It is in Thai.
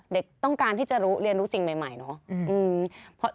เด็กต้องการที่จะเรียนรู้สิ่งใหม่เนอะ